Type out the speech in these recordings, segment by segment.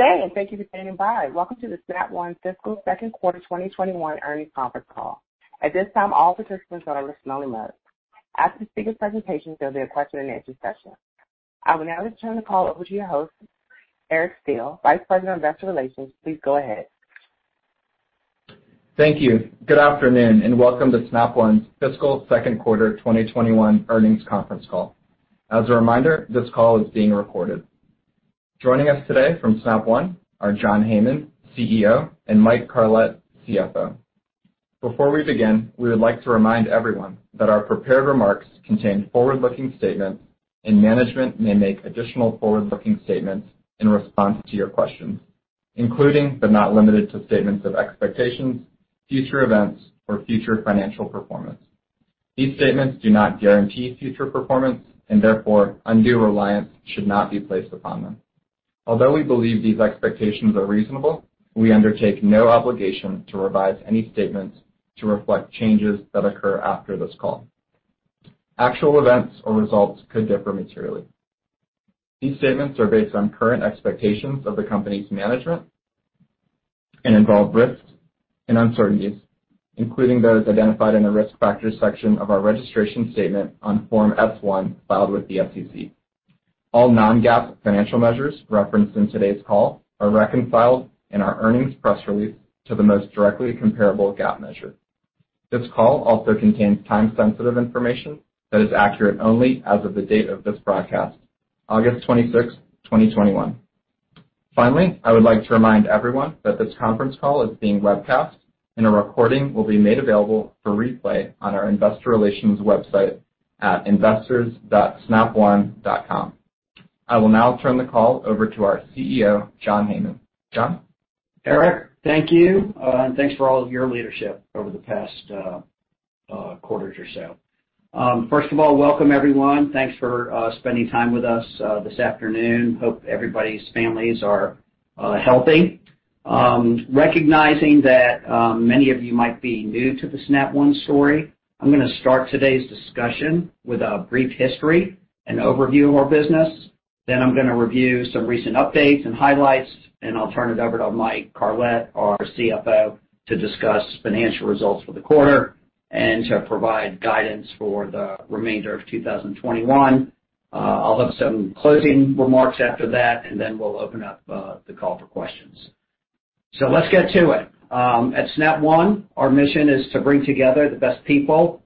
Good day, and thank you for standing by. Welcome to the Snap One fiscal second quarter 2021 earnings conference call. At this time, all participants are on listen-only mode. After the speaker presentations, there'll be a question-and-answer session. I will now turn the call over to your host, Eric Steele, Vice President of Investor Relations. Please go ahead. Thank you. Good afternoon. Welcome to Snap One's fiscal second quarter 2021 earnings conference call. As a reminder, this call is being recorded. Joining us today from Snap One are John Heyman, CEO, and Mike Carlet, CFO. Before we begin, we would like to remind everyone that our prepared remarks contain forward-looking statements. Management may make additional forward-looking statements in response to your questions, including but not limited to statements of expectations, future events or future financial performance. These statements do not guarantee future performance. Therefore, undue reliance should not be placed upon them. Although we believe these expectations are reasonable, we undertake no obligation to revise any statements to reflect changes that occur after this call. Actual events or results could differ materially. These statements are based on current expectations of the company's management and involve risks and uncertainties, including those identified in the Risk Factors section of our registration statement on Form S-1 filed with the SEC. All non-GAAP financial measures referenced in today's call are reconciled in our earnings press release to the most directly comparable GAAP measure. This call also contains time-sensitive information that is accurate only as of the date of this broadcast, August 26th, 2021. Finally, I would like to remind everyone that this conference call is being webcast, and a recording will be made available for replay on our investor relations website at investors.snapone.com. I will now turn the call over to our CEO, John Heyman. John? Eric, thank you, and thanks for all of your leadership over the past quarters or so. First of all, welcome everyone. Thanks for spending time with us this afternoon. Hope everybody's families are healthy. Recognizing that many of you might be new to the Snap One story, I'm gonna start today's discussion with a brief history and overview of our business. I'm gonna review some recent updates and highlights, and I'll turn it over to Mike Carlet, our CFO, to discuss financial results for the quarter and to provide guidance for the remainder of 2021. I'll have some closing remarks after that, and then we'll open up the call for questions. Let's get to it. At Snap One, our mission is to bring together the best people,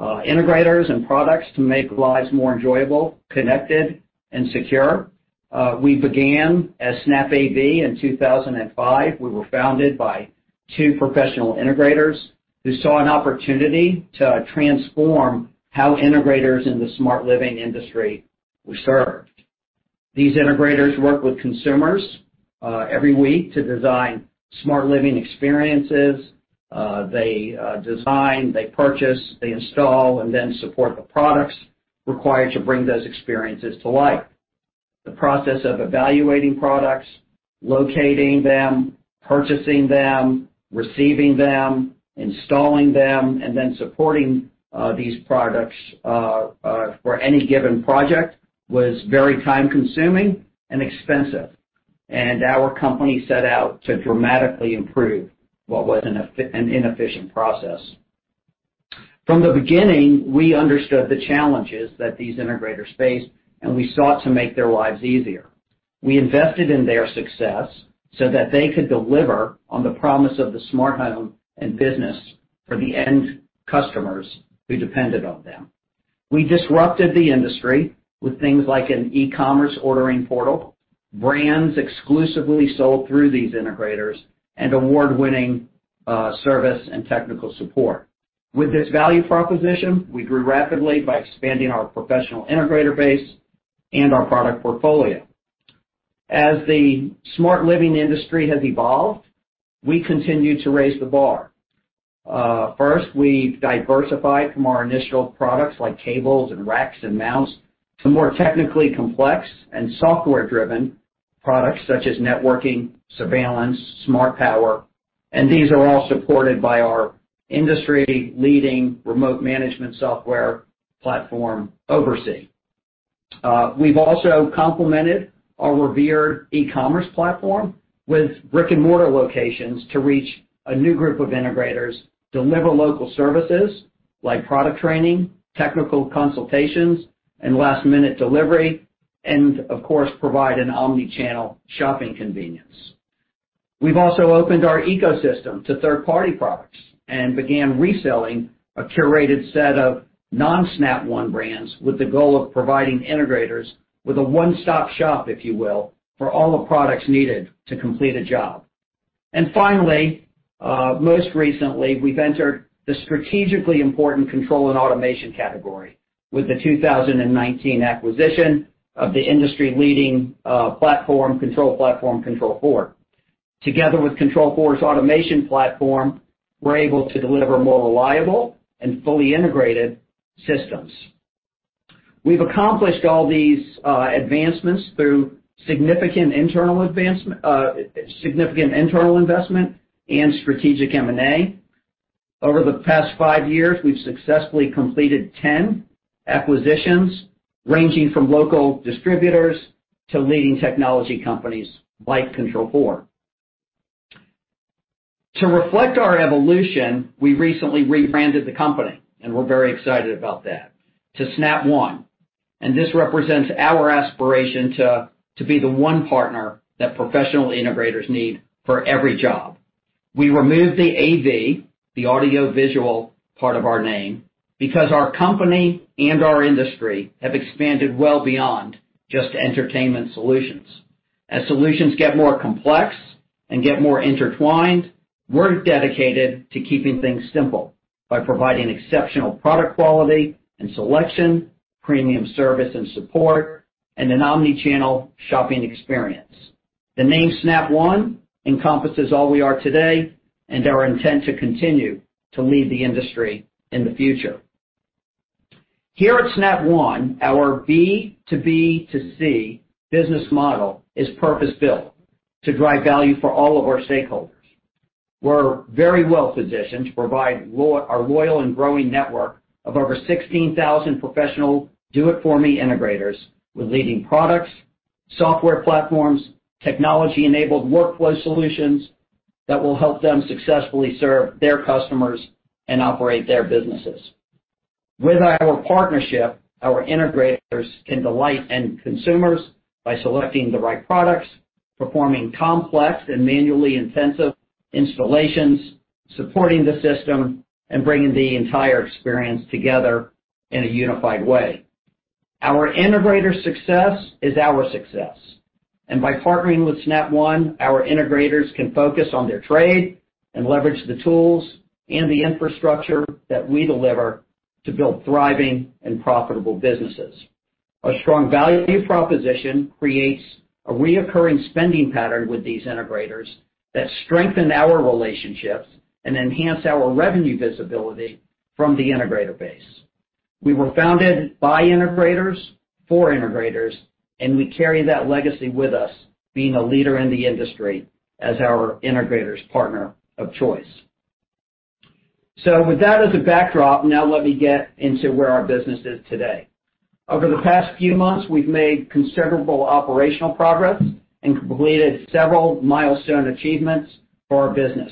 integrators, and products to make lives more enjoyable, connected, and secure. We began as SnapAV in 2005. We were founded by two professional integrators who saw an opportunity to transform how integrators in the smart living industry were served. These integrators work with consumers every week to design smart living experiences. They design, they purchase, they install, and then support the products required to bring those experiences to life. The process of evaluating products, locating them, purchasing them, receiving them, installing them, and then supporting these products for any given project was very time-consuming and expensive, and our company set out to dramatically improve what was an inefficient process. From the beginning, we understood the challenges that these integrators faced, and we sought to make their lives easier. We invested in their success so that they could deliver on the promise of the smart home and business for the end customers who depended on them. We disrupted the industry with things like an e-commerce ordering portal, brands exclusively sold through these integrators, and award-winning service and technical support. With this value proposition, we grew rapidly by expanding our professional integrator base and our product portfolio. As the smart living industry has evolved, we continue to raise the bar. First, we've diversified from our initial products, like cables and racks and mounts, to more technically complex and software-driven products such as networking, surveillance, smart power, and these are all supported by our industry-leading remote management software platform, OvrC. We've also complemented our revered e-commerce platform with brick-and-mortar locations to reach a new group of integrators, deliver local services like product training, technical consultations, and last-minute delivery, and of course, provide an omni-channel shopping convenience. We've also opened our ecosystem to third-party products and began reselling a curated set of non-Snap One brands with the goal of providing integrators with a one-stop shop, if you will, for all the products needed to complete a job. Finally, most recently, we've entered the strategically important control and automation category with the 2019 acquisition of the industry-leading platform, control platform, Control4. Together with Control4's automation platform, we're able to deliver more reliable and fully integrated systems. We've accomplished all these advancements through significant internal investment and strategic M&A. Over the past five years, we've successfully completed 10 acquisitions, ranging from local distributors to leading technology companies like Control4. To reflect our evolution, we recently rebranded the company, and we're very excited about that, to Snap One, and this represents our aspiration to be the one partner that professional integrators need for every job. We removed the AV, the audio-visual part of our name, because our company and our industry have expanded well beyond just entertainment solutions. As solutions get more complex and get more intertwined, we're dedicated to keeping things simple by providing exceptional product quality and selection, premium service and support, and an omni-channel shopping experience. The name Snap One encompasses all we are today and our intent to continue to lead the industry in the future. Here at Snap One, our B2B2C business model is purpose-built to drive value for all of our stakeholders. We're very well positioned to provide our loyal and growing network of over 16,000 professional do-it-for-me integrators with leading products, software platforms, technology-enabled workflow solutions that will help them successfully serve their customers and operate their businesses. With our partnership, our integrators can delight end consumers by selecting the right products, performing complex and manually intensive installations, supporting the system, and bringing the entire experience together in a unified way. Our integrators' success is our success. By partnering with Snap One, our integrators can focus on their trade and leverage the tools and the infrastructure that we deliver to build thriving and profitable businesses. Our strong value proposition creates a recurring spending pattern with these integrators that strengthen our relationships and enhance our revenue visibility from the integrator base. We were founded by integrators for integrators, we carry that legacy with us being a leader in the industry as our integrators' partner of choice. With that as a backdrop, now let me get into where our business is today. Over the past few months, we've made considerable operational progress and completed several milestone achievements for our business,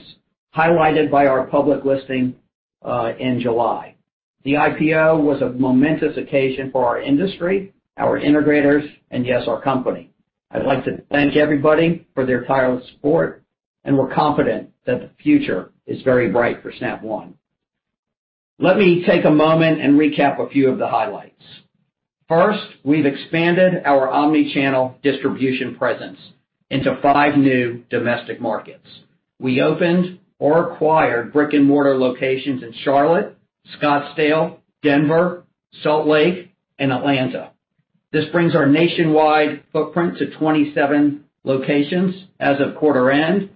highlighted by our public listing in July. The IPO was a momentous occasion for our industry, our integrators, and yes, our company. I'd like to thank everybody for their tireless support, and we're confident that the future is very bright for Snap One. Let me take a moment and recap a few of the highlights. First, we've expanded our omni-channel distribution presence into five new domestic markets. We opened or acquired brick-and-mortar locations in Charlotte, Scottsdale, Denver, Salt Lake, and Atlanta. This brings our nationwide footprint to 27 locations as of quarter end.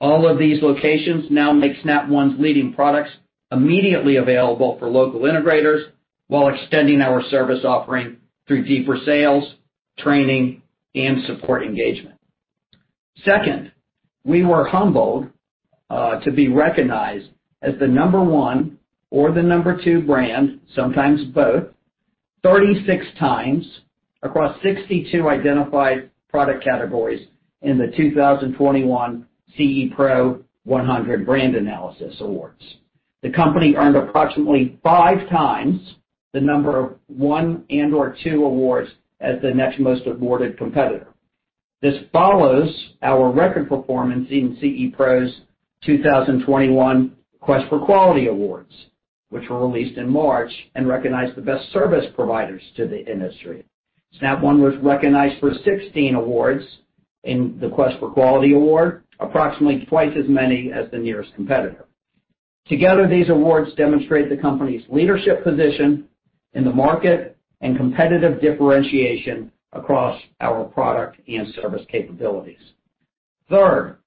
All of these locations now make Snap One's leading products immediately available for local integrators while extending our service offering through deeper sales, training, and support engagement. Second, we were humbled to be recognized as the number one or the number two brand, sometimes both, 36x across 62 identified product categories in the 2021 CE Pro 100 Brand Analysis Awards. The company earned approximately 5x the number of one and/or two awards as the next most awarded competitor. This follows our record performance in CE Pro's 2021 Quest for Quality Awards, which were released in March and recognized the best service providers to the industry. Snap One was recognized for 16 awards in the Quest for Quality award, approximately twice as many as the nearest competitor. Together, these awards demonstrate the company's leadership position in the market and competitive differentiation across our product and service capabilities. Third,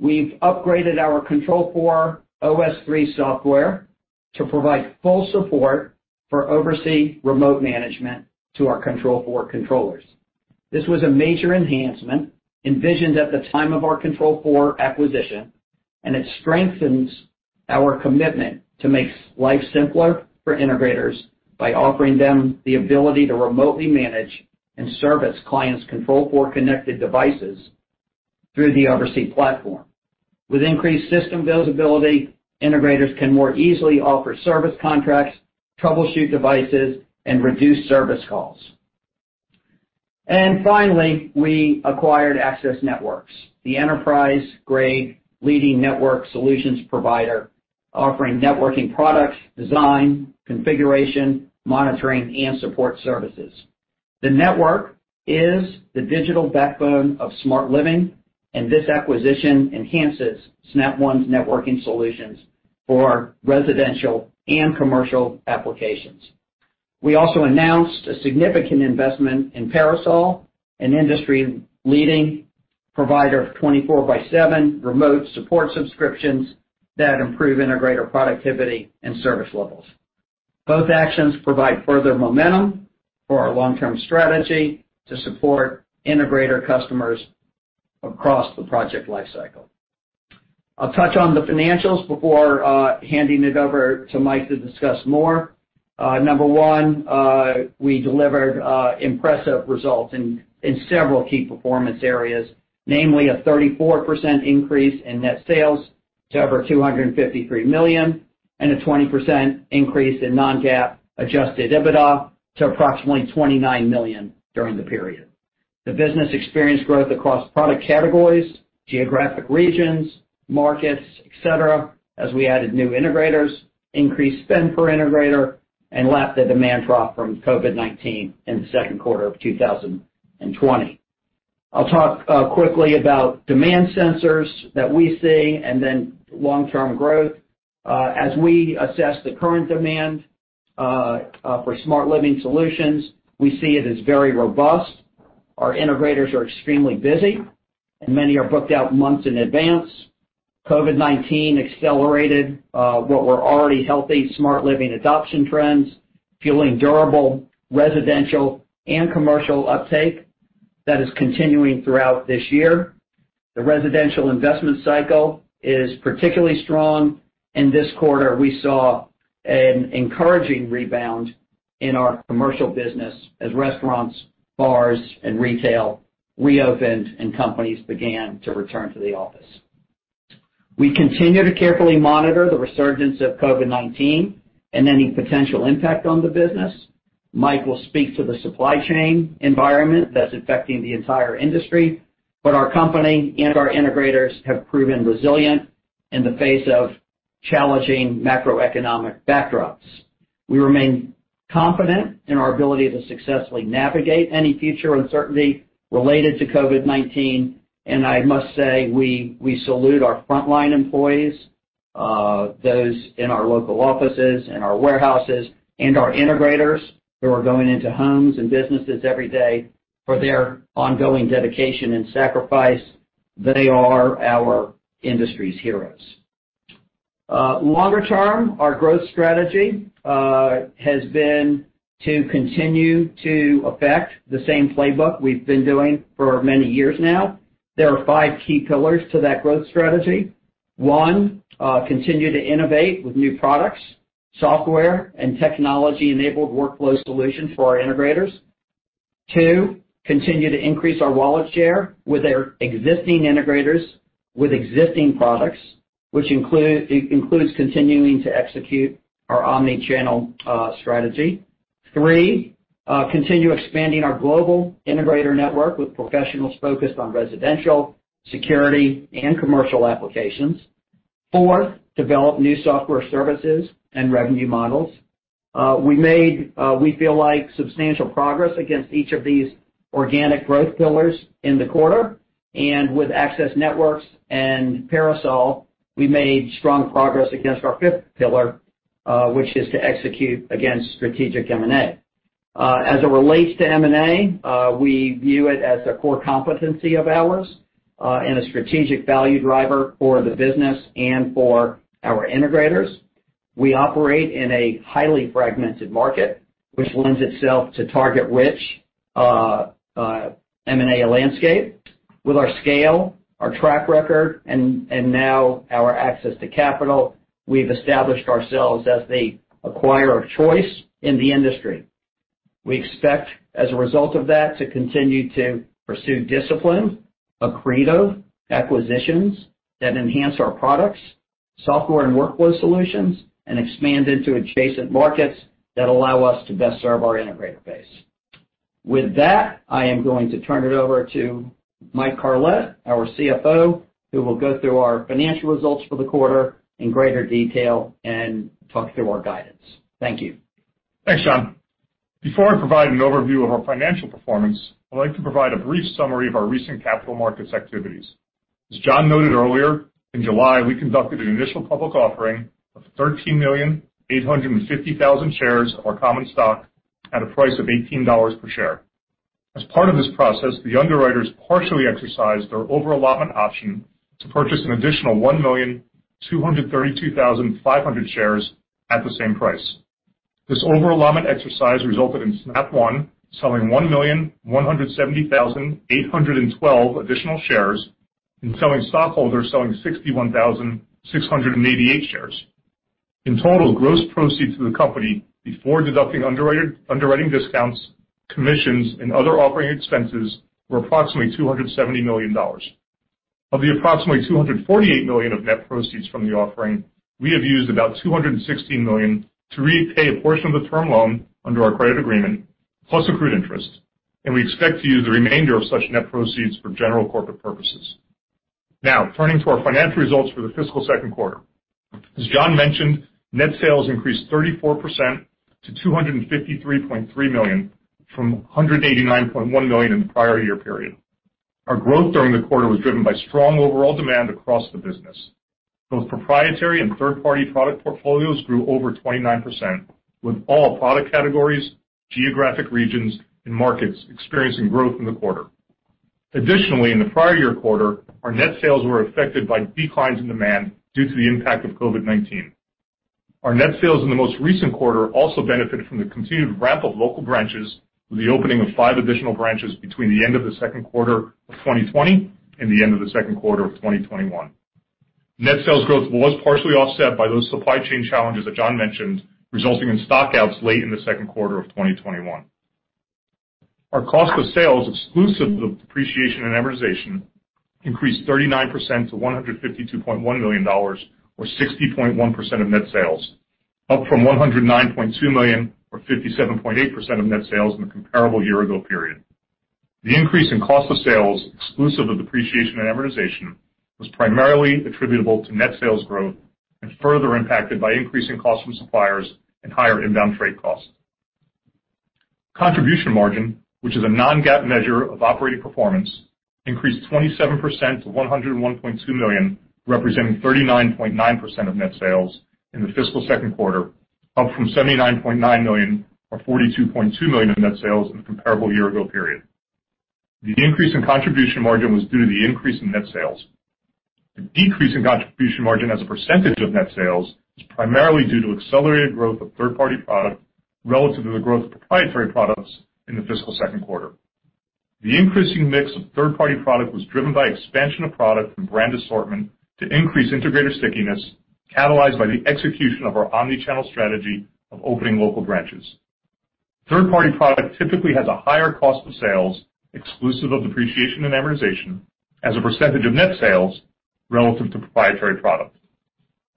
we've upgraded our Control4 OS 3 software to provide full support for OvrC remote management to our Control4 controllers. This was a major enhancement envisioned at the time of our Control4 acquisition. It strengthens our commitment to make life simpler for integrators by offering them the ability to remotely manage and service clients' Control4 connected devices through the OvrC platform. With increased system visibility, integrators can more easily offer service contracts, troubleshoot devices, and reduce service calls. Finally, we acquired Access Networks, the enterprise-grade leading network solutions provider offering networking products, design, configuration, monitoring, and support services. The network is the digital backbone of smart living. This acquisition enhances Snap One's networking solutions for residential and commercial applications. We also announced a significant investment in Parasol, an industry-leading provider of 24/7 remote support subscriptions that improve integrator productivity and service levels. Both actions provide further momentum for our long-term strategy to support integrator customers across the project lifecycle. I'll touch on the financials before handing it over to Mike to discuss more. Number one, we delivered impressive results in several key performance areas, namely a 34% increase in net sales to over $253 million, and a 20% increase in non-GAAP adjusted EBITDA to approximately $29 million during the period. The business experienced growth across product categories, geographic regions, markets, et cetera, as we added new integrators, increased spend per integrator, and lacked the demand drop from COVID-19 in the second quarter of 2020. I'll talk quickly about demand sensors that we see and then long-term growth. As we assess the current demand for smart living solutions, we see it as very robust. Our integrators are extremely busy, and many are booked out months in advance. COVID-19 accelerated what were already healthy smart living adoption trends, fueling durable, residential, and commercial uptake that is continuing throughout this year. The residential investment cycle is particularly strong. This quarter, we saw an encouraging rebound in our commercial business as restaurants, bars, and retail reopened and companies began to return to the office. We continue to carefully monitor the resurgence of COVID-19 and any potential impact on the business. Mike will speak to the supply chain environment that's affecting the entire industry. Our company and our integrators have proven resilient in the face of challenging macroeconomic backdrops. We remain confident in our ability to successfully navigate any future uncertainty related to COVID-19. I must say, we salute our frontline employees, those in our local offices, in our warehouses, and our integrators who are going into homes and businesses every day for their ongoing dedication and sacrifice. They are our industry's heroes. Longer term, our growth strategy has been to continue to affect the same playbook we've been doing for many years now. There are five key pillars to that growth strategy. One, continue to innovate with new products, software, and technology-enabled workflow solutions for our integrators. Two, continue to increase our wallet share with our existing integrators with existing products, which includes continuing to execute our omni-channel strategy. Three, continue expanding our global integrator network with professionals focused on residential, security, and commercial applications. Four, develop new software services and revenue models. We made, we feel like, substantial progress against each of these organic growth pillars in the quarter. With Access Networks and Parasol, we made strong progress against our fifth pillar, which is to execute against strategic M&A. As it relates to M&A, we view it as a core competency of ours, and a strategic value driver for the business and for our integrators. We operate in a highly fragmented market, which lends itself to target-rich M&A landscape. With our scale, our track record, and now our access to capital, we've established ourselves as the acquirer of choice in the industry. We expect, as a result of that, to continue to pursue discipline, accretive acquisitions that enhance our products, software, and workflow solutions, and expand into adjacent markets that allow us to best serve our integrator base. With that, I am going to turn it over to Mike Carlet, our CFO, who will go through our financial results for the quarter in greater detail and talk through our guidance. Thank you. Thanks, John. Before I provide an overview of our financial performance, I'd like to provide a brief summary of our recent capital markets activities. As John noted earlier, in July, we conducted an initial public offering of 13,850,000 shares of our common stock at a price of $18 per share. As part of this process, the underwriters partially exercised their overallotment option to purchase an additional 1,232,500 shares at the same price. This overallotment exercise resulted in Snap One selling 1,170,812 additional shares and selling stockholders selling 61,688 shares. In total, gross proceeds to the company before deducting underwriting discounts, commissions, and other operating expenses were approximately $270 million. Of the approximately $248 million of net proceeds from the offering, we have used about $216 million to repay a portion of the term loan under our credit agreement, plus accrued interest, and we expect to use the remainder of such net proceeds for general corporate purposes. Now, turning to our financial results for the fiscal second quarter. As John mentioned, net sales increased 34% to $253.3 million, from $189.1 million in the prior year period. Our growth during the quarter was driven by strong overall demand across the business. Both proprietary and third-party product portfolios grew over 29%, with all product categories, geographic regions, and markets experiencing growth in the quarter. Additionally, in the prior year quarter, our net sales were affected by declines in demand due to the impact of COVID-19. Our net sales in the most recent quarter also benefited from the continued ramp of local branches with the opening of five additional branches between the end of the second quarter of 2020 and the end of the second quarter of 2021. Net sales growth was partially offset by those supply chain challenges that John mentioned, resulting in stockouts late in the second quarter of 2021. Our cost of sales, exclusive of depreciation and amortization, increased 39% to $152.1 million, or 60.1% of net sales, up from $109.2 million or 57.8% of net sales in the comparable year-ago period. The increase in cost of sales, exclusive of depreciation and amortization, was primarily attributable to net sales growth and further impacted by increasing costs from suppliers and higher inbound freight costs. Contribution margin, which is a non-GAAP measure of operating performance, increased 27% to $101.2 million, representing 39.9% of net sales in the fiscal second quarter, up from $79.9 million or 42.2% of net sales in the comparable year ago period. The increase in contribution margin was due to the increase in net sales. The decrease in contribution margin as a percentage of net sales was primarily due to accelerated growth of third-party product relative to the growth of proprietary products in the fiscal second quarter. The increasing mix of third-party product was driven by expansion of product and brand assortment to increase integrator stickiness, catalyzed by the execution of our omni-channel strategy of opening local branches. Third-party product typically has a higher cost of sales, exclusive of depreciation and amortization, as a percentage of net sales relative to proprietary product.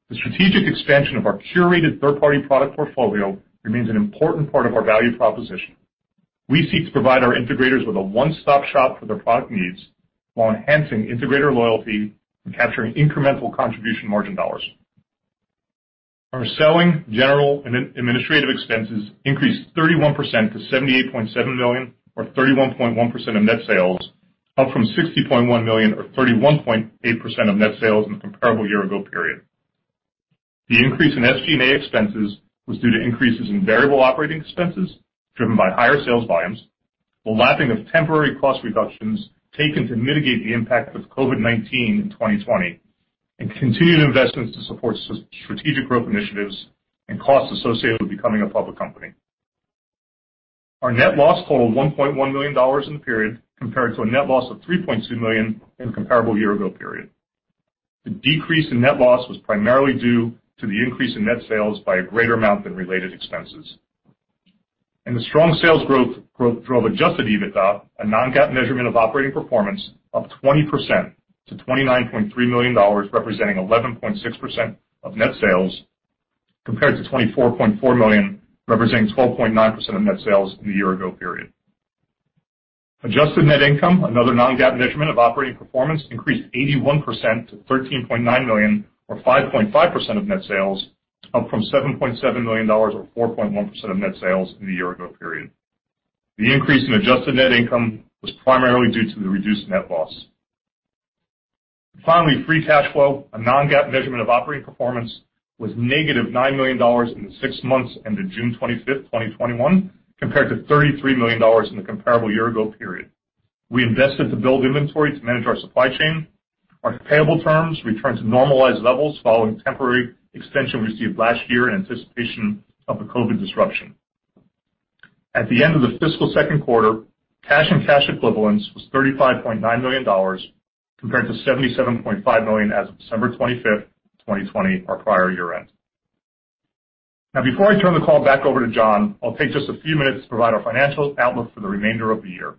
The strategic expansion of our curated third-party product portfolio remains an important part of our value proposition. We seek to provide our integrators with a one-stop shop for their product needs while enhancing integrator loyalty and capturing incremental contribution margin dollars. Our selling, general, and administrative expenses increased 31% to $78.7 million or 31.1% of net sales, up from $60.1 million or 31.8% of net sales in the comparable year ago period. The increase in SG&A expenses was due to increases in variable operating expenses driven by higher sales volumes, while lapping of temporary cost reductions taken to mitigate the impact of COVID-19 in 2020, and continued investments to support strategic growth initiatives and costs associated with becoming a public company. Our net loss totaled $1.1 million in the period, compared to a net loss of $3.2 million in the comparable year ago period. The decrease in net loss was primarily due to the increase in net sales by a greater amount than related expenses. The strong sales growth drove adjusted EBITDA, a non-GAAP measurement of operating performance, up 20% to $29.3 million, representing 11.6% of net sales, compared to $24.4 million, representing 12.9% of net sales in the year ago period. Adjusted net income, another non-GAAP measurement of operating performance, increased 81% to $13.9 million or 5.5% of net sales, up from $7.7 million or 4.1% of net sales in the year ago period. The increase in adjusted net income was primarily due to the reduced net loss. Finally, free cash flow, a non-GAAP measurement of operating performance, was $-9 million in the six months ended June 25th, 2021, compared to $33 million in the comparable year ago period. We invested to build inventory to manage our supply chain. Our payable terms returned to normalized levels following temporary extension we received last year in anticipation of the COVID-19 disruption. At the end of the fiscal second quarter, cash and cash equivalents was $35.9 million, compared to $77.5 million as of December 25th, 2020, our prior year end. Now, before I turn the call back over to John, I'll take just a few minutes to provide our financial outlook for the remainder of the year.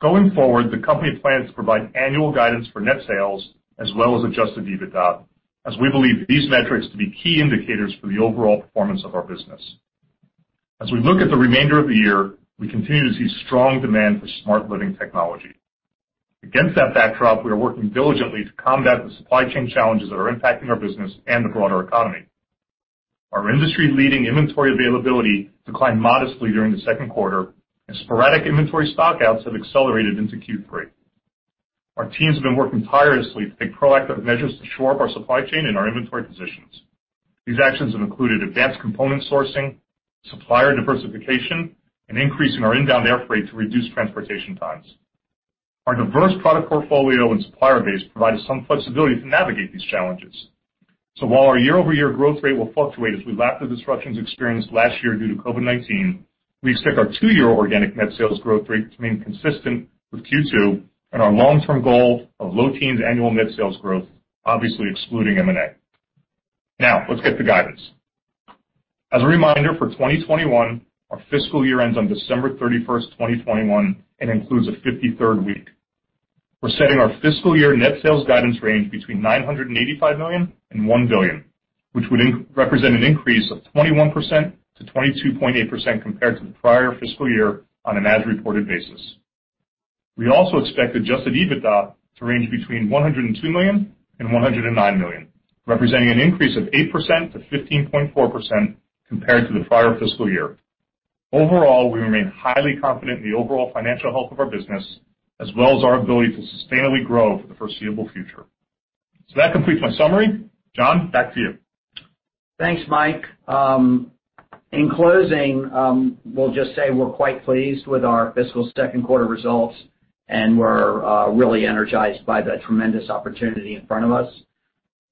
Going forward, the company plans to provide annual guidance for net sales as well as adjusted EBITDA, as we believe these metrics to be key indicators for the overall performance of our business. As we look at the remainder of the year, we continue to see strong demand for smart living technology. Against that backdrop, we are working diligently to combat the supply chain challenges that are impacting our business and the broader economy. Our industry-leading inventory availability declined modestly during the second quarter, and sporadic inventory stockouts have accelerated into Q3. Our teams have been working tirelessly to take proactive measures to shore up our supply chain and our inventory positions. These actions have included advanced component sourcing, supplier diversification, and increasing our inbound air freight to reduce transportation times. Our diverse product portfolio and supplier base provide us some flexibility to navigate these challenges. While our year-over-year growth rate will fluctuate as we lap the disruptions experienced last year due to COVID-19, we expect our two-year organic net sales growth rate to remain consistent with Q2 and our long-term goal of low teens annual net sales growth, obviously excluding M&A. Let's get to guidance. As a reminder, for 2021, our fiscal year ends on December 31st, 2021, and includes a 53rd week. We're setting our fiscal year net sales guidance range between $985 million and $1 billion, which would represent an increase of 21%-22.8% compared to the prior fiscal year on an as-reported basis. We also expect adjusted EBITDA to range between $102 million and $109 million, representing an increase of 8%-15.4% compared to the prior fiscal year. Overall, we remain highly confident in the overall financial health of our business, as well as our ability to sustainably grow for the foreseeable future. That completes my summary. John, back to you. Thanks, Mike. In closing, we'll just say we're quite pleased with our fiscal second quarter results, and we're really energized by the tremendous opportunity in front of us.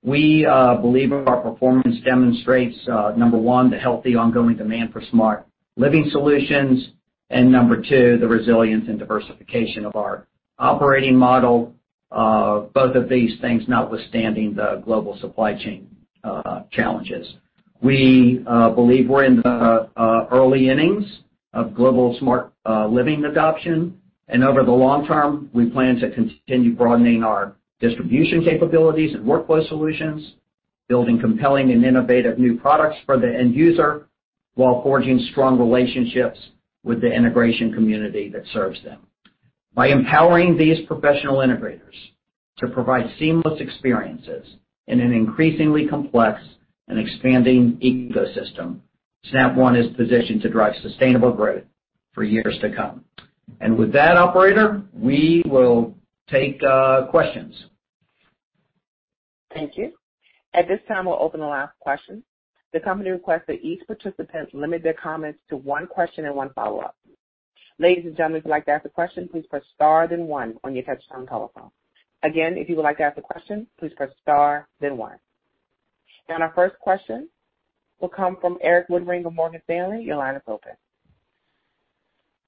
We believe our performance demonstrates, number one, the healthy ongoing demand for smart living solutions, and number two, the resilience and diversification of our operating model, both of these things notwithstanding the global supply chain challenges. We believe we're in the early innings of global smart living adoption. Over the long term, we plan to continue broadening our distribution capabilities and workflow solutions, building compelling and innovative new products for the end user, while forging strong relationships with the integration community that serves them. By empowering these professional integrators to provide seamless experiences in an increasingly complex and expanding ecosystem, Snap One is positioned to drive sustainable growth for years to come. With that, operator, we will take questions. Thank you. At this time, we'll open the line for questions. The company requests that each participant limit their comments to one question and one follow-up. Our first question will come from Erik Woodring of Morgan Stanley. Your line is open.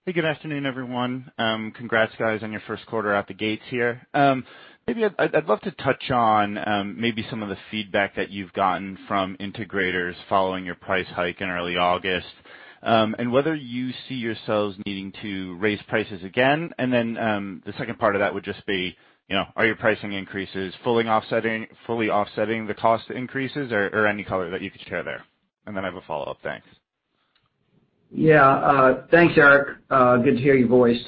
Hey, good afternoon, everyone. Congrats, guys, on your first quarter out the gates here. I'd love to touch on maybe some of the feedback that you've gotten from integrators following your price hike in early August, and whether you see yourselves needing to raise prices again, and then the second part of that would just be, are your pricing increases fully offsetting the cost increases or any color that you could share there? I have a follow-up. Thanks. Yeah. Thanks, Eric. Good to hear your voice.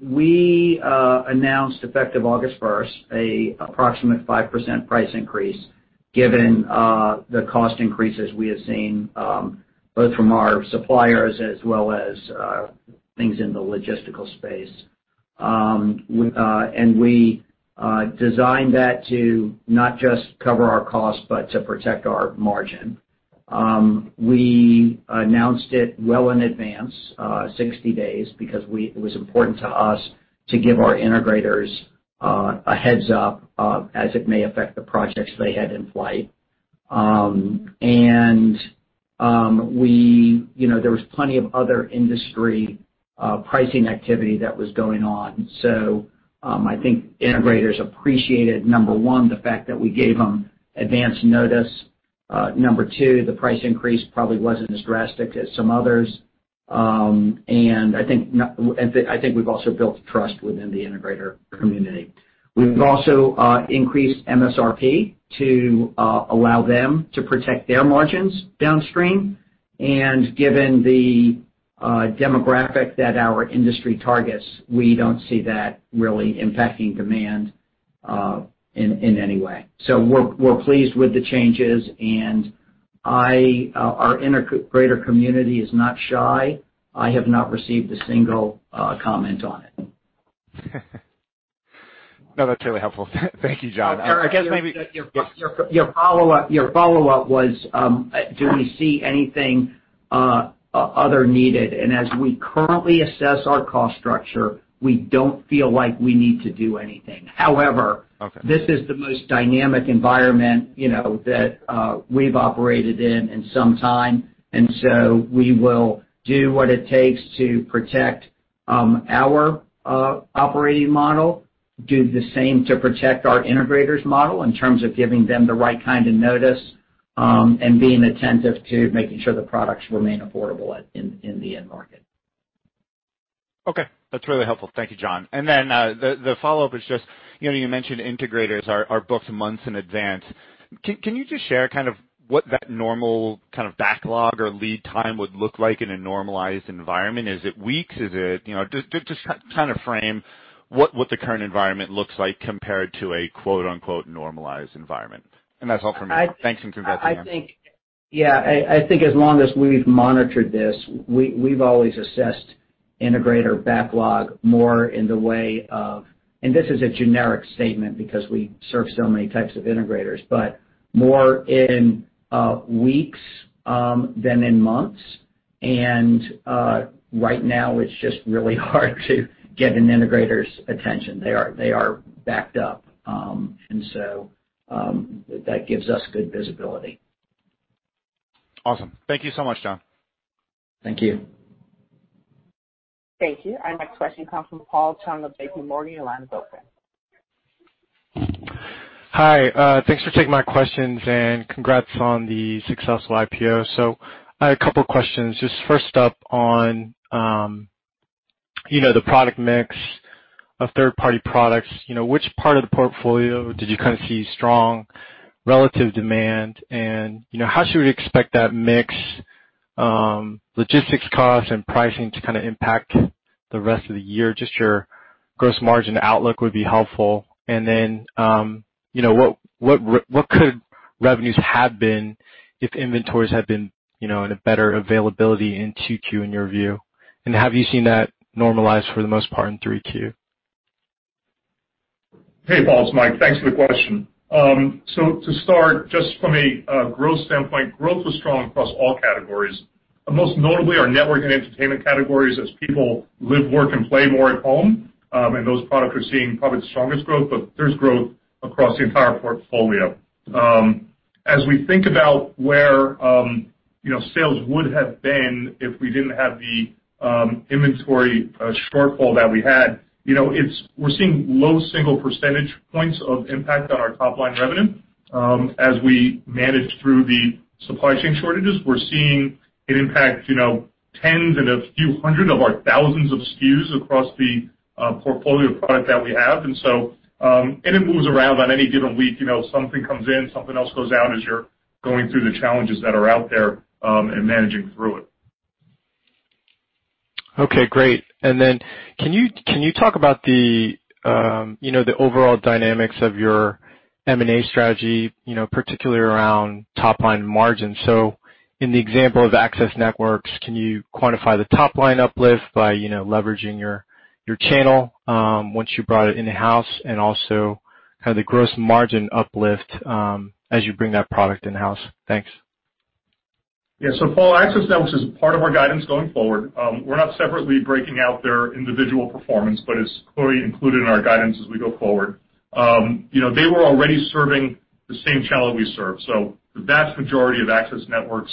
We announced effective August 1st, an approximate 5% price increase given the cost increases we have seen both from our suppliers as well as things in the logistical space. We designed that to not just cover our cost, but to protect our margin. We announced it well in advance, 60 days, because it was important to us to give our integrators a heads-up, as it may affect the projects they had in flight. There was plenty of other industry pricing activity that was going on. I think integrators appreciated, number one, the fact that we gave them advance notice. Number two, the price increase probably wasn't as drastic as some others. I think we've also built trust within the integrator community. We've also increased MSRP to allow them to protect their margins downstream, and given the demographic that our industry targets, we don't see that really impacting demand in any way. We're pleased with the changes, and our integrator community is not shy. I have not received a single comment on it. No, that's really helpful. Thank you, John. Your follow-up was, do we see anything other needed? As we currently assess our cost structure, we don't feel like we need to do anything. However. Okay. This is the most dynamic environment that we've operated in in some time. We will do what it takes to protect our operating model, do the same to protect our integrators' model in terms of giving them the right kind of notice, and being attentive to making sure the products remain affordable in the end market. Okay. That's really helpful. Thank you, John. The follow-up is just, you mentioned integrators are booked months in advance. Can you just share what that normal kind of backlog or lead time would look like in a normalized environment? Is it weeks? Just kind of frame what the current environment looks like compared to a quote unquote "normalized environment." That's all for me. Thanks and congrats again. Yeah. I think as long as we've monitored this, we've always assessed integrator backlog more in the way of, and this is a generic statement because we serve so many types of integrators, but more in weeks than in months. Right now, it's just really hard to get an integrator's attention. They are backed up. That gives us good visibility. Awesome. Thank you so much, John. Thank you. Thank you. Our next question comes from Paul Chung of JPMorgan. Your line is open. Hi. Thanks for taking my questions and congrats on the successful IPO. I had a couple questions. Just first up on the product mix of third-party products. Which part of the portfolio did you see strong relative demand, and how should we expect that mix, logistics cost and pricing to impact the rest of the year? Just your gross margin outlook would be helpful. What could revenues have been if inventories had been in a better availability in Q2 in your view? Have you seen that normalize for the most part in Q3? Hey, Paul. It's Mike. Thanks for the question. To start, just from a growth standpoint, growth was strong across all categories. Most notably our network and entertainment categories as people live, work and play more at home. Those products are seeing probably the strongest growth. There's growth across the entire portfolio. As we think about where sales would have been if we didn't have the inventory shortfall that we had, we're seeing low single percentage points of impact on our top-line revenue. As we manage through the supply chain shortages, we're seeing it impact tens and a few hundred of our thousands of SKUs across the portfolio of product that we have. It moves around on any given week. Something comes in, something else goes out as you're going through the challenges that are out there, managing through it. Okay, great. Can you talk about the overall dynamics of your M&A strategy, particularly around top-line margin? In the example of Access Networks, can you quantify the top-line uplift by leveraging your channel, once you brought it in-house, and also kind of the gross margin uplift, as you bring that product in-house? Thanks. Yeah. Paul, Access Networks is part of our guidance going forward. We're not separately breaking out their individual performance, but it's fully included in our guidance as we go forward. They were already serving the same channel we serve. The vast majority of Access Networks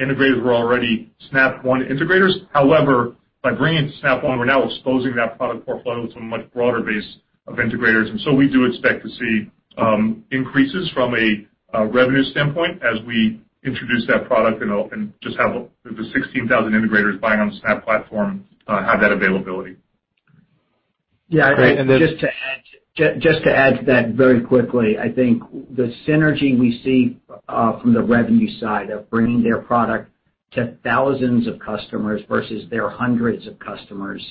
integrators were already Snap One integrators. However, by bringing Snap One, we're now exposing that product portfolio to a much broader base of integrators. We do expect to see increases from a revenue standpoint as we introduce that product and just have the 16,000 integrators buying on the Snap platform have that availability. Great. Just to add to that very quickly, I think the synergy we see from the revenue side of bringing their product to thousands of customers versus their hundreds of customers.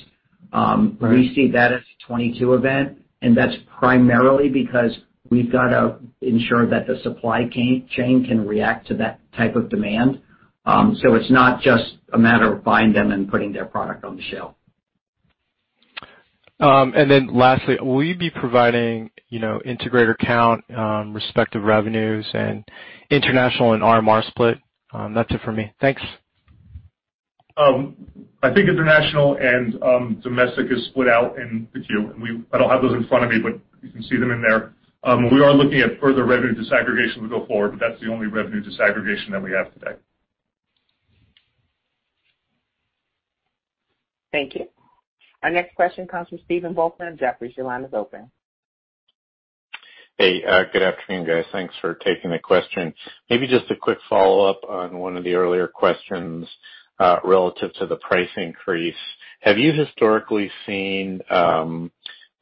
Right We see that as a 2022 event. That's primarily because we've got to ensure that the supply chain can react to that type of demand. It's not just a matter of buying them and putting their product on the shelf. Lastly, will you be providing integrator count, respective revenues and international and RMR split? That's it for me. Thanks. I think international and domestic is split out in the Q. I don't have those in front of me, but you can see them in there. We are looking at further revenue disaggregation to go forward, but that's the only revenue disaggregation that we have today. Thank you. Our next question comes from Stephen Volkmann from Jefferies. Your line is open. Hey, good afternoon, guys. Thanks for taking the question. Maybe just a quick follow-up on one of the earlier questions, relative to the price increase. Have you historically seen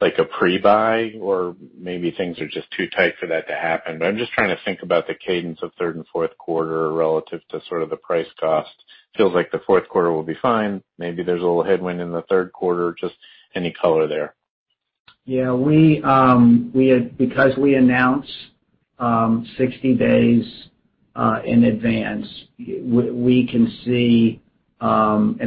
a pre-buy or maybe things are just too tight for that to happen? I'm just trying to think about the cadence of third and fourth quarter relative to sort of the price cost. Feels like the fourth quarter will be fine. Maybe there's a little headwind in the third quarter. Just any color there. Yeah. Because we announce 60 days in advance, and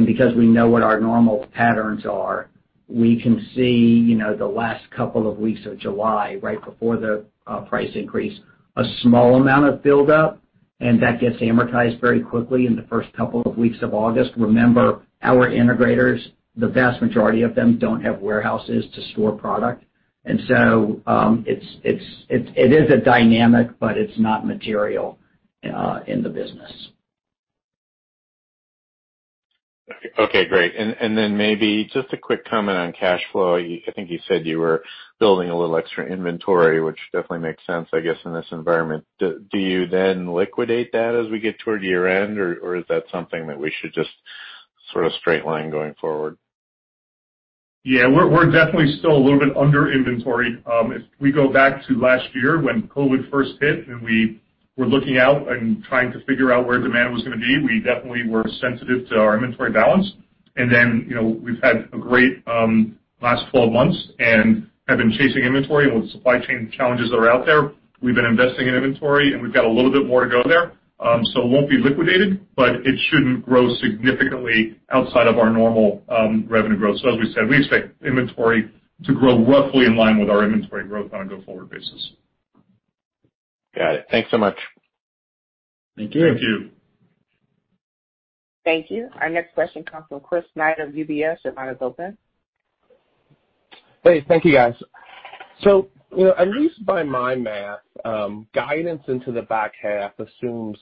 because we know what our normal patterns are, we can see the last couple of weeks of July right before the price increase, a small amount of build-up, and that gets amortized very quickly in the first couple of weeks of August. Remember our integrators, the vast majority of them don't have warehouses to store product. It is a dynamic, but it's not material in the business. Okay, great. Maybe just a quick comment on cash flow. I think you said you were building a little extra inventory, which definitely makes sense, I guess, in this environment. Do you then liquidate that as we get toward year-end or is that something that we should just sort of straight line going forward? Yeah. We're definitely still a little bit under inventory. If we go back to last year when COVID first hit and we were looking out and trying to figure out where demand was going to be, we definitely were sensitive to our inventory balance. We've had a great last 12 months and have been chasing inventory with supply chain challenges that are out there. We've been investing in inventory and we've got a little bit more to go there. It won't be liquidated, but it shouldn't grow significantly outside of our normal revenue growth. As we said, we expect inventory to grow roughly in line with our inventory growth on a go-forward basis. Got it. Thanks so much. Thank you. Thank you. Thank you. Our next question comes from Chris Snyder of UBS. Your line is open. Hey, thank you guys. At least by my math, guidance into the back half assumes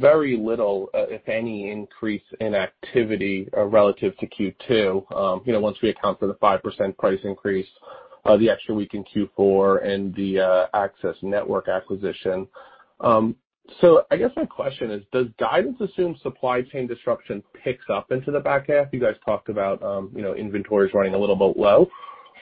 very little, if any, increase in activity relative to Q2 once we account for the 5% price increase, the extra week in Q4, and the Access Networks acquisition. I guess my question is, does guidance assume supply chain disruption picks up into the back half? You guys talked about inventories running a little bit low,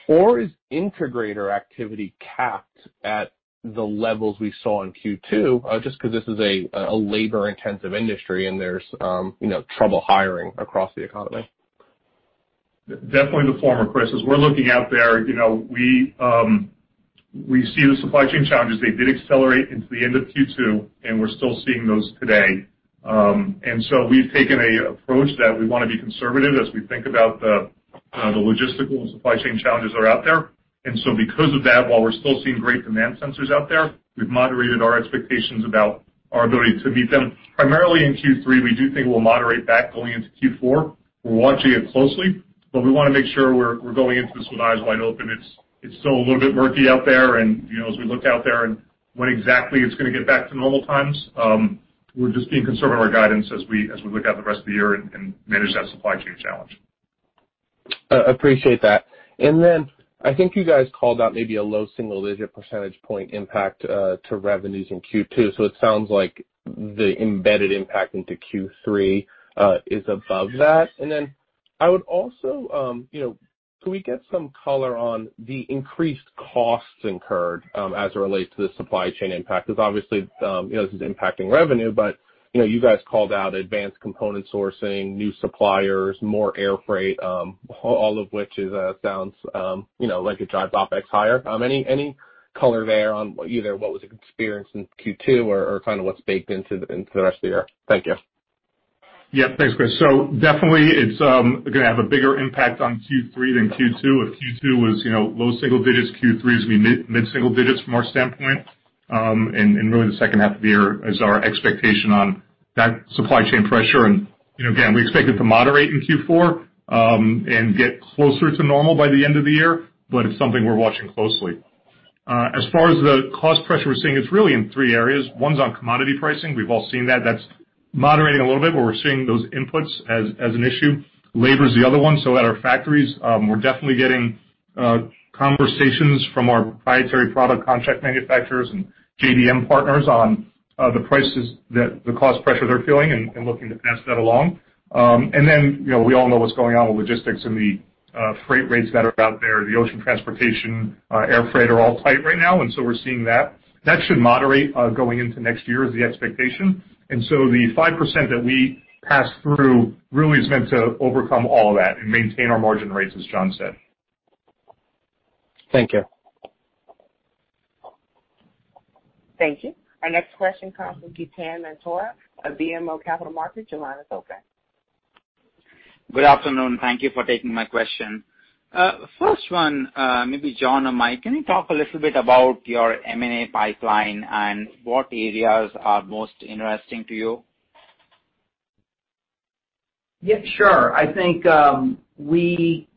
or is integrator activity capped at the levels we saw in Q2, just because this is a labor-intensive industry and there's trouble hiring across the economy? Definitely the former, Chris. As we're looking out there, we see the supply chain challenges. They did accelerate into the end of Q2, and we're still seeing those today. We've taken an approach that we want to be conservative as we think about the logistical and supply chain challenges that are out there. Because of that, while we're still seeing great demand sensors out there, we've moderated our expectations about our ability to meet them. Primarily in Q3, we do think we'll moderate that going into Q4. We're watching it closely, but we want to make sure we're going into this with eyes wide open. It's still a little bit murky out there, and as we look out there and when exactly it's going to get back to normal times, we're just being conservative with our guidance as we look out the rest of the year and manage that supply chain challenge. I appreciate that. I think you guys called out maybe a low single-digit percentage point impact to revenues in Q2. It sounds like the embedded impact into Q3 is above that. Could we get some color on the increased costs incurred as it relates to the supply chain impact? Obviously, this is impacting revenue, but you guys called out advanced component sourcing, new suppliers, more air freight, all of which sounds like it drives OpEx higher. Any color there on either what was experienced in Q2 or kind of what's baked into the rest of the year? Thank you. Yeah. Thanks, Chris. Definitely it's going to have a bigger impact on Q3 than Q2. If Q2 was low single digits, Q3 is going to be mid single digits from our standpoint. Really the second half of the year is our expectation on that supply chain pressure. Again, we expect it to moderate in Q4, and get closer to normal by the end of the year, but it's something we're watching closely. As far as the cost pressure we're seeing, it's really in three areas. One's on commodity pricing. We've all seen that. That's moderating a little bit, but we're seeing those inputs as an issue. Labor is the other one. At our factories, we're definitely getting conversations from our proprietary product contract manufacturers and JDM partners on the cost pressure they're feeling and looking to pass that along. We all know what's going on with logistics and the freight rates that are out there, the ocean transportation, air freight are all tight right now. We're seeing that. That should moderate going into next year is the expectation. The 5% that we pass through really is meant to overcome all of that and maintain our margin rates, as John said. Thank you. Thank you. Our next question comes from Jatin Rohra of BMO Capital Markets. Your line is open. Good afternoon. Thank you for taking my question. First one, maybe John or Mike, can you talk a little bit about your M&A pipeline and what areas are most interesting to you? Yeah, sure. I think we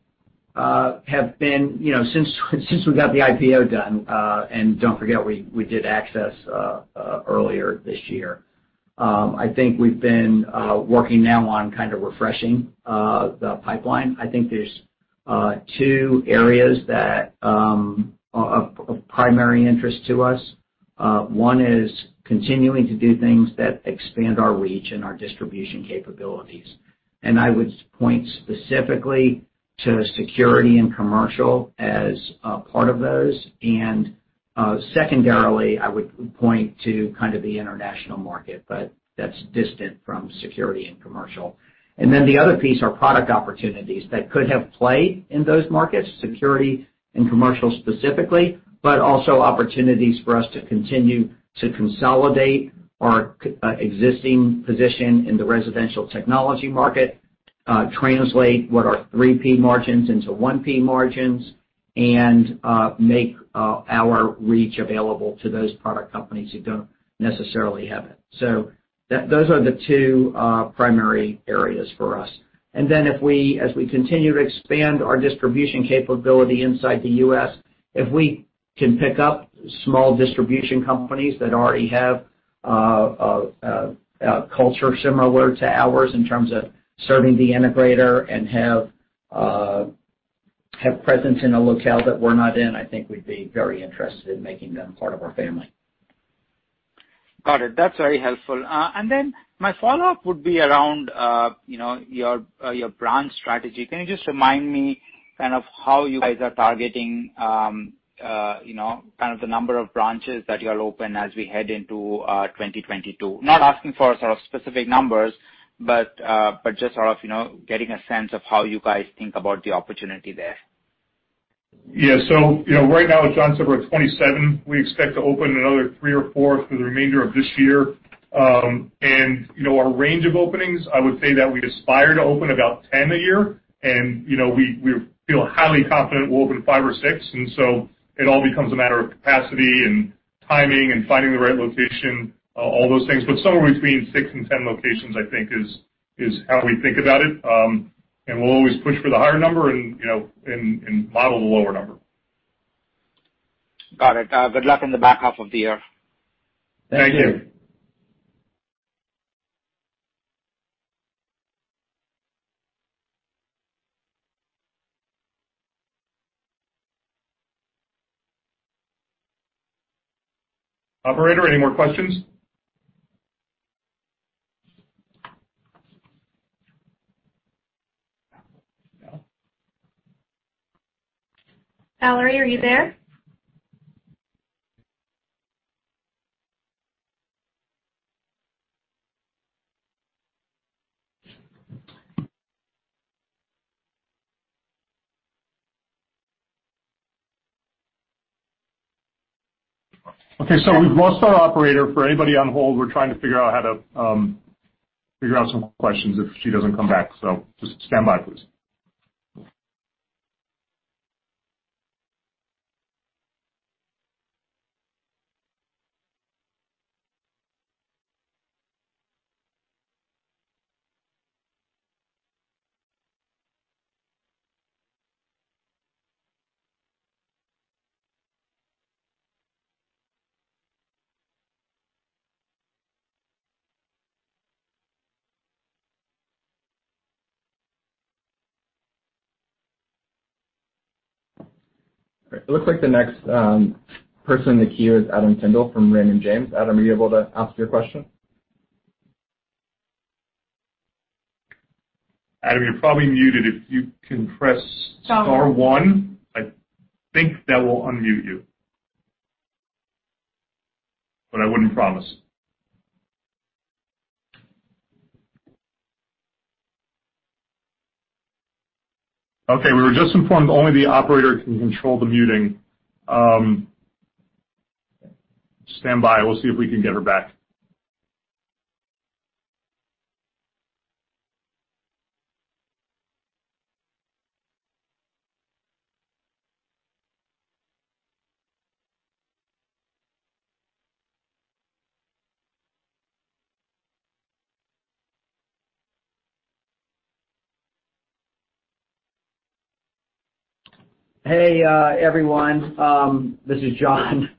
have been, since we got the IPO done, and don't forget, we did Access earlier this year, I think we've been working now on kind of refreshing the pipeline. I think there's two areas that are of primary interest to us. One is continuing to do things that expand our reach and our distribution capabilities. I would point specifically to security and commercial as a part of those. Secondarily, I would point to kind of the international market, but that's distant from security and commercial. The other piece are product opportunities that could have play in those markets, security and commercial specifically, but also opportunities for us to continue to consolidate our existing position in the residential technology market, translate what are 3P margins into 1P margins, and make our reach available to those product companies who don't necessarily have it. Those are the two primary areas for us. As we continue to expand our distribution capability inside the U.S., if we can pick up small distribution companies that already have a culture similar to ours in terms of serving the integrator and have presence in a locale that we're not in, I think we'd be very interested in making them part of our family. Got it. That's very helpful. My follow-up would be around your branch strategy. Can you just remind me kind of how you guys are targeting the number of branches that you'll open as we head into 2022? Not asking for sort of specific numbers, but just sort of getting a sense of how you guys think about the opportunity there. Yeah. Right now, as John said, we're at 27. We expect to open another three or four through the remainder of this year. Our range of openings, I would say that we'd aspire to open about 10 a year. We feel highly confident we'll open five or six. It all becomes a matter of capacity and timing and finding the right location, all those things. Somewhere between six and 10 locations, I think is how we think about it. We'll always push for the higher number and model the lower number. Got it. Good luck on the back half of the year. Thank you. Thank you. Operator, any more questions? Valerie, are you there? Okay, we've lost our operator. For anybody on hold, we're trying to figure out how to figure out some questions if she doesn't come back. Just stand by, please. It looks like the next person in the queue is Adam Tindle from Raymond James. Adam, are you able to ask your question? Adam, you're probably muted. If you can press star one, I think that will unmute you. I wouldn't promise. Okay, we were just informed only the operator can control the muting. Stand by. We'll see if we can get her back. Hey, everyone. This is John.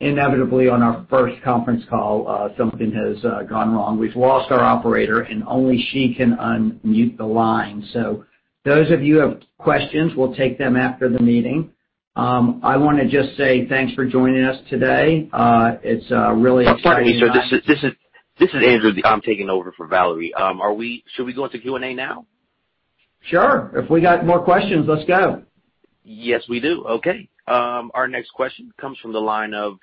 Inevitably, on our first conference call, something has gone wrong. We've lost our operator, and only she can unmute the line. Those of you have questions, we'll take them after the meeting. I want to just say thanks for joining us today. It's really exciting. Pardon me, sir. This is Andrew. I'm taking over for Valerie. Should we go into Q&A now? Sure. If we got more questions, let's go. Yes, we do. Okay. Our next question comes from the line of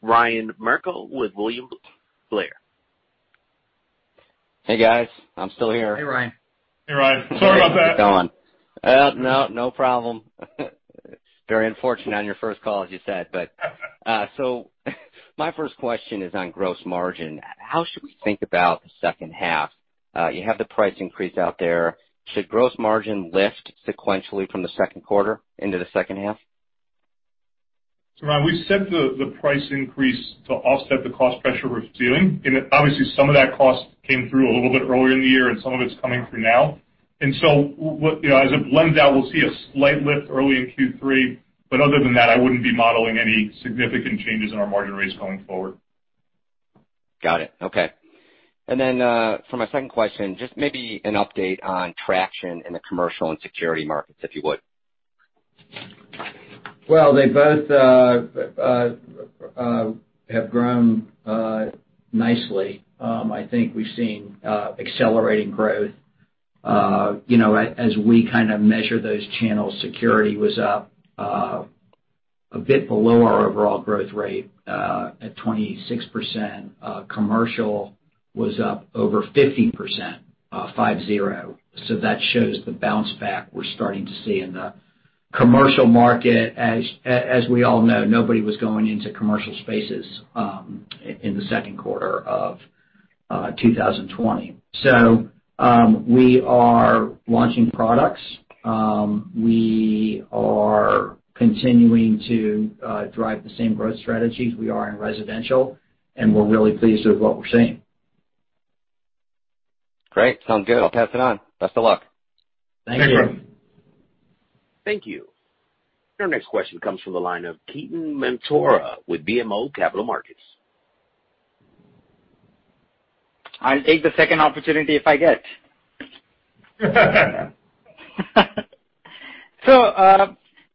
Ryan Merkel with William Blair. Hey, guys. I'm still here. Hey, Ryan. Hey, Ryan. Sorry about that. How's it going? No, no problem. Very unfortunate on your first call, as you said. My first question is on gross margin. How should we think about the second half? You have the price increase out there. Should gross margin lift sequentially from the second quarter into the second half? Ryan, we set the price increase to offset the cost pressure we're feeling, and obviously, some of that cost came through a little bit earlier in the year, and some of it's coming through now. As it blends out, we'll see a slight lift early in Q3, but other than that, I wouldn't be modeling any significant changes in our margin rates going forward. Got it. Okay. For my second question, just maybe an update on traction in the commercial and security markets, if you would. Well, they both have grown nicely. I think we've seen accelerating growth. As we kind of measure those channels, security was up a bit below our overall growth rate, at 26%. Commercial was up over 50%, five, zero. That shows the bounce back we're starting to see in the commercial market. As we all know, nobody was going into commercial spaces in the second quarter of 2020. We are launching products. We are continuing to drive the same growth strategies we are in residential, and we're really pleased with what we're seeing. Great. Sounds good. I'll pass it on. Best of luck. Thank you. Thank you. Thank you. Our next question comes from the line of Jatin Rohra with BMO Capital Markets. I'll take the second opportunity if I get.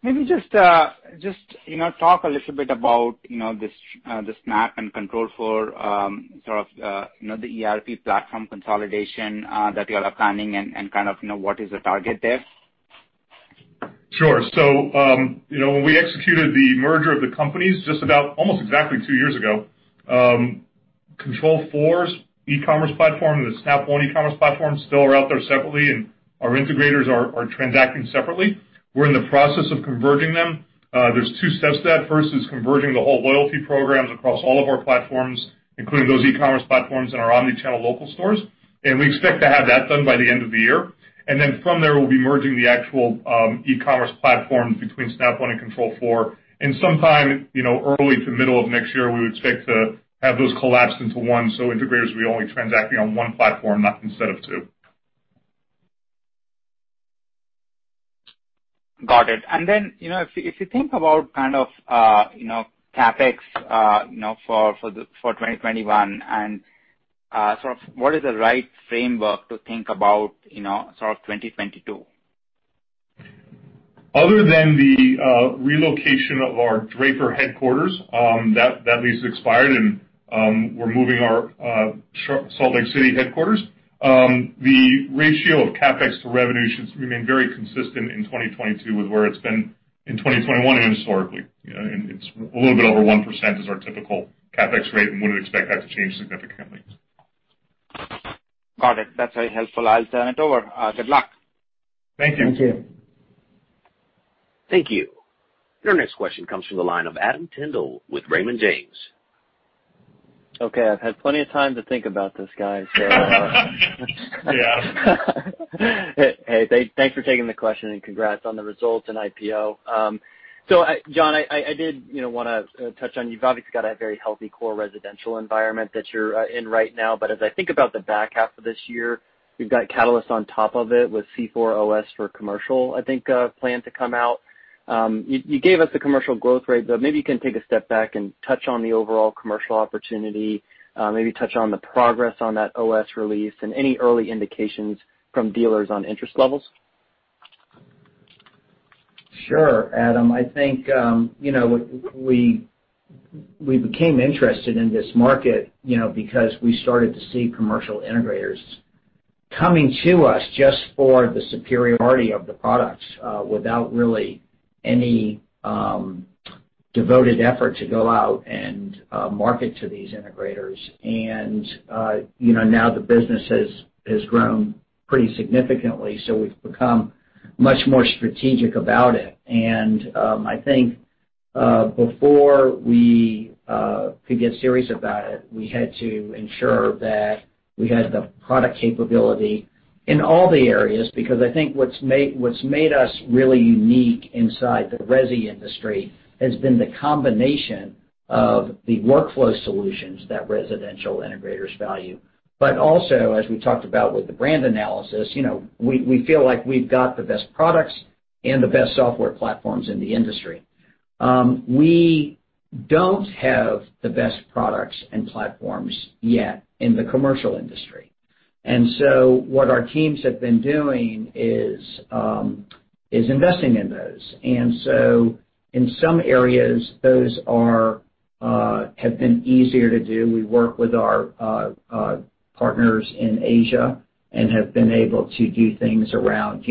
Maybe just talk a little bit about the Snap and Control4 sort of the ERP platform consolidation that you all are planning and kind of what is the target there. Sure. When we executed the merger of the companies just about almost exactly two years ago, Control4's e-commerce platform and the Snap One e-commerce platform still are out there separately, and our integrators are transacting separately. We're in the process of converging them. There's two steps to that. First is converging the whole loyalty programs across all of our platforms, including those e-commerce platforms in our omni-channel local stores. We expect to have that done by the end of the year. Then from there, we'll be merging the actual e-commerce platforms between Snap One and Control4. Sometime early to middle of next year, we would expect to have those collapsed into one, so integrators will be only transacting on one platform, not instead of two. Got it. Then, if you think about kind of CapEx for 2021 and sort of what is the right framework to think about sort of 2022? Other than the relocation of our Draper headquarters, that lease expired, we're moving our Salt Lake City headquarters. The ratio of CapEx to revenue should remain very consistent in 2022 with where it's been in 2021 and historically. A little bit over 1% is our typical CapEx rate and wouldn't expect that to change significantly. Got it. That's very helpful. I'll turn it over. Good luck. Thank you. Thank you. Thank you. Your next question comes from the line of Adam Tindle with Raymond James. Okay, I've had plenty of time to think about this, guys. Yeah. Thanks for taking the question. Congrats on the results and IPO. John, I did want to touch on, you've obviously got a very healthy core residential environment that you're in right now. As I think about the back half of this year, you've got Catalyst on top of it with C4 OS for commercial, I think, planned to come out. You gave us the commercial growth rate, maybe you can take a step back and touch on the overall commercial opportunity, maybe touch on the progress on that OS release and any early indications from dealers on interest levels. Sure, Adam. I think we became interested in this market because we started to see commercial integrators coming to us just for the superiority of the products, without really any devoted effort to go out and market to these integrators. Now the business has grown pretty significantly, so we've become much more strategic about it. I think, before we could get serious about it, we had to ensure that we had the product capability in all the areas, because I think what's made us really unique inside the resi industry has been the combination of the workflow solutions that residential integrators value. Also, as we talked about with the brand analysis, we feel like we've got the best products and the best software platforms in the industry. We don't have the best products and platforms yet in the commercial industry. What our teams have been doing is investing in those. In some areas, those have been easier to do. We work with our partners in Asia and have been able to do things around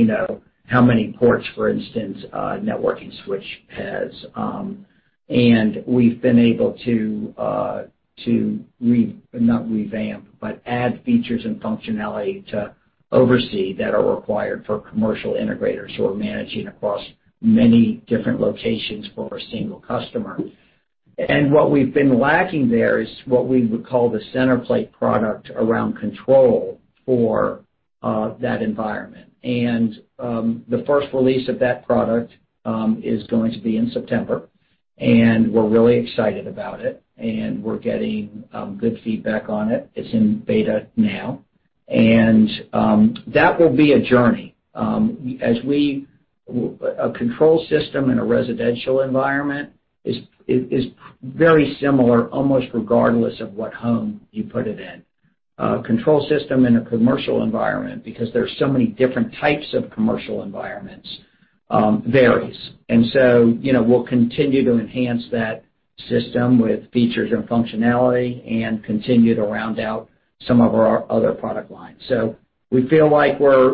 how many ports, for instance, a networking switch has. We've been able to, not revamp, but add features and functionality to OvrC that are required for commercial integrators who are managing across many different locations for a single customer. What we've been lacking there is what we would call the center plate product around Control4 for that environment. The first release of that product is going to be in September, and we're really excited about it, and we're getting good feedback on it. It's in beta now. That will be a journey. A control system in a residential environment is very similar almost regardless of what home you put it in. A control system in a commercial environment, because there are so many different types of commercial environments, varies. We'll continue to enhance that system with features and functionality and continue to round out some of our other product lines. We feel like we're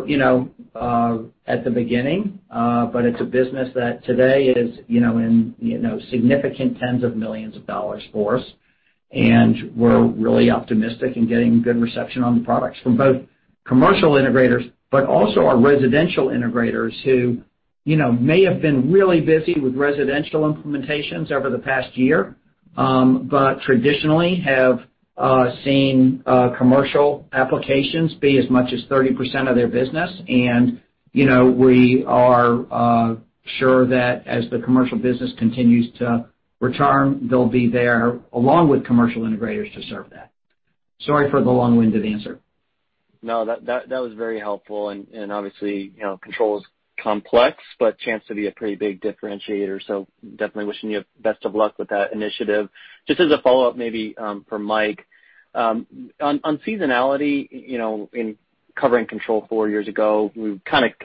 at the beginning, but it's a business that today is in significant tens of millions of dollars for us, and we're really optimistic in getting good reception on the products from both commercial integrators, but also our residential integrators who may have been really busy with residential implementations over the past year, but traditionally have seen commercial applications be as much as 30% of their business. We are sure that as the commercial business continues to return, they'll be there along with commercial integrators to serve that. Sorry for the long-winded answer. No, that was very helpful. Obviously, Control4 is complex, but chance to be a pretty big differentiator, so definitely wishing you best of luck with that initiative. Just as a follow-up, maybe for Mike, on seasonality, in covering Control4 years ago, we count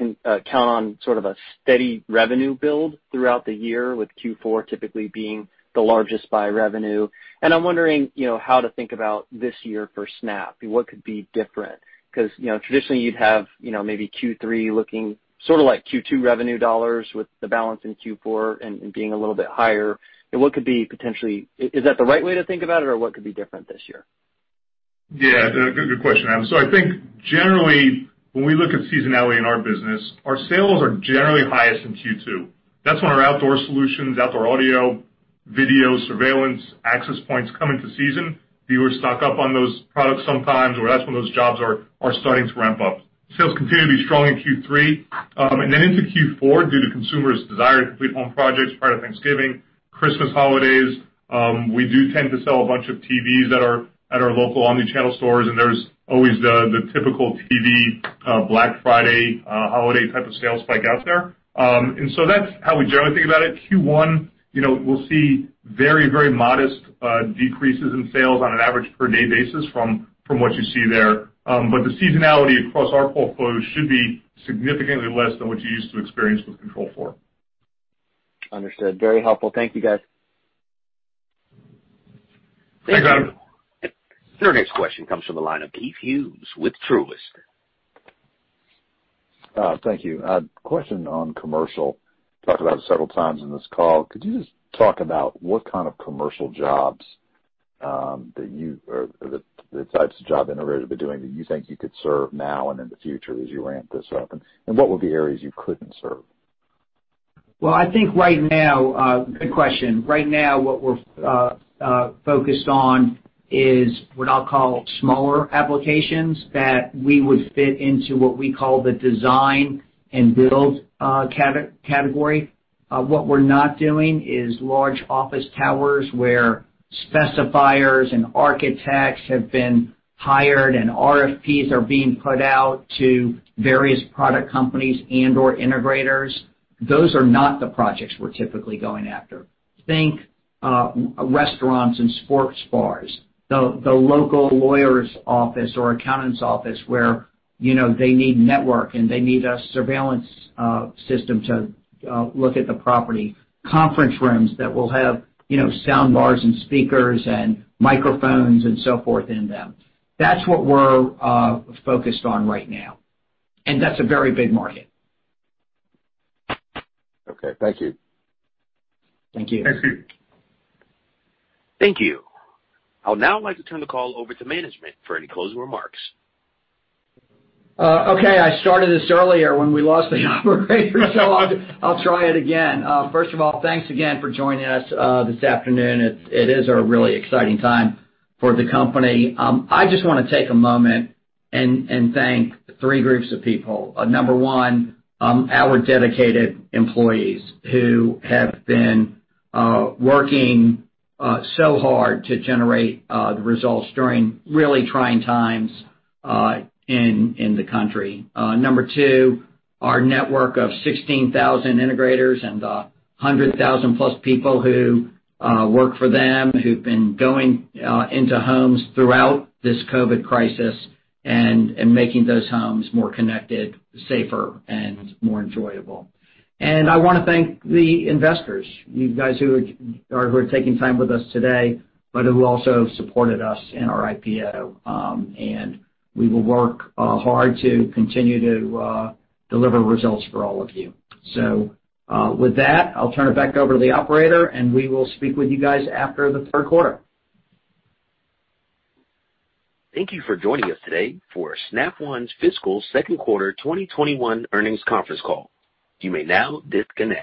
on sort of a steady revenue build throughout the year, with Q4 typically being the largest by revenue. I'm wondering how to think about this year for Snap One. What could be different? Traditionally you'd have maybe Q3 looking sort of like Q2 revenue dollars, with the balance in Q4 and being a little bit higher. Is that the right way to think about it, or what could be different this year? Yeah, good question, Adam. I think generally when we look at seasonality in our business, our sales are generally highest in Q2. That's when our outdoor solutions, outdoor audio, video, surveillance, access points come into season. Dealers stock up on those products sometimes, or that's when those jobs are starting to ramp up. Sales continue to be strong in Q3. Into Q4, due to consumers' desire to complete home projects prior to Thanksgiving, Christmas holidays, we do tend to sell a bunch of TVs at our local omni-channel stores, and there's always the typical TV Black Friday holiday type of sales spike out there. That's how we generally think about it. Q1 we'll see very modest decreases in sales on an average per-day basis from what you see there. The seasonality across our portfolio should be significantly less than what you're used to experiencing with Control4. Understood. Very helpful. Thank you, guys. Thanks, Adam. Your next question comes from the line of Keith Hughes with Truist. Thank you. Question on commercial. Talked about it several times in this call. Could you just talk about what kind of commercial jobs, or the types of job integrators are doing that you think you could serve now and in the future as you ramp this up? What would be areas you couldn't serve? Well, good question. Right now, what we're focused on is what I'll call smaller applications that we would fit into what we call the design and build category. What we're not doing is large office towers where specifiers and architects have been hired and RFPs are being put out to various product companies and/or integrators. Those are not the projects we're typically going after. Think restaurants and sports bars, the local lawyer's office or accountant's office where they need network and they need a surveillance system to look at the property. Conference rooms that will have sound bars and speakers and microphones and so forth in them. That's what we're focused on right now, and that's a very big market. Okay. Thank you. Thank you. Thank you. Thank you. I would now like to turn the call over to management for any closing remarks. Okay. I started this earlier when we lost the operator, so I'll try it again. First of all, thanks again for joining us this afternoon. It is a really exciting time for the company. I just want to take a moment and thank three groups of people. Number one, our dedicated employees who have been working so hard to generate the results during really trying times in the country. Number two, our network of 16,000 integrators and 100,000-plus people who work for them, who've been going into homes throughout this COVID crisis and making those homes more connected, safer, and more enjoyable. I want to thank the investors, you guys who are taking time with us today, but who also supported us in our IPO. We will work hard to continue to deliver results for all of you. With that, I'll turn it back over to the operator, and we will speak with you guys after the third quarter. Thank you for joining us today for Snap One's fiscal second quarter 2021 earnings conference call. You may now disconnect.